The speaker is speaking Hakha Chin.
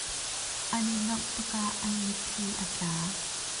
An i nuamh tuk ah an mitthli a tla.